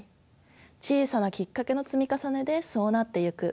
小さなきっかけの積み重ねでそうなってゆく。